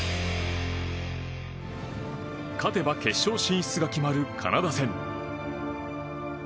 勝てば決勝進出が決まるカナダ戦。